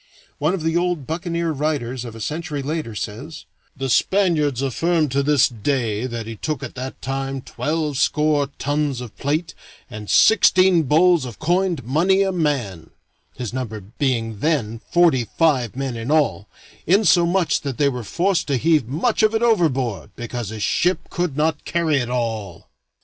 One of the old buccaneer writers of a century later says: "The Spaniards affirm to this day that he took at that time twelvescore tons of plate and sixteen bowls of coined money a man (his number being then forty five men in all), insomuch that they were forced to heave much of it overboard, because his ship could not carry it all."